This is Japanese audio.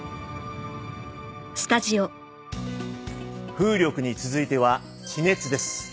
風力に続いては地熱です。